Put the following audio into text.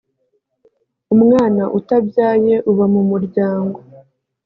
umwana utabyaye uba mu muryango